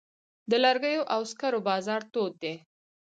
د لرګیو او سکرو بازار تود دی؟